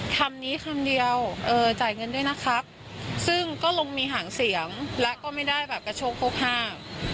คำนี้คำเดียวเออจ่ายเงินด้วยนะครับซึ่งก็ลงมีหางเสียงและก็ไม่ได้แบบกระโชคพกห้า